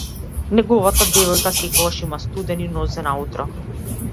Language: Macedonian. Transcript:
Неговата девојка секогаш има студени нозе наутро.